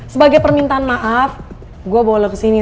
sebagai permintaan maaf gue bawa lo kesini